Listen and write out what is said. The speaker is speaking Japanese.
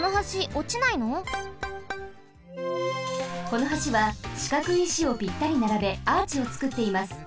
この橋はしかくい石をぴったりならべアーチをつくっています。